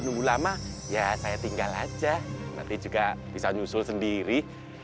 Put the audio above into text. nunggu lama ya saya tinggal aja nanti juga bisa nyusul sendiri